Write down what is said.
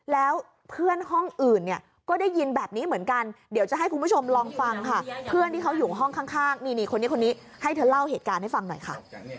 แล้วเพื่อนห้องอื่นเนี่ยก็ได้ยินแบบนี้เหมือนกันเดี๋ยวจะให้คุณผู้ชมลองฟังค่ะเพื่อนที่เขาอยู่ห้องข้างนี่คนนี้คนนี้ให้เธอเล่าเหตุการณ์ให้ฟังหน่อยค่ะ